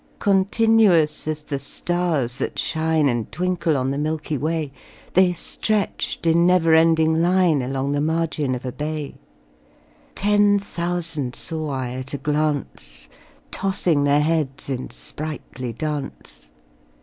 Continuous as the stars that shine And twinkle on the milky way, They stretched in never ending line Along the margin of a bay; Ten thousand saw I at a glance, Tossing their heads in sprightly dance.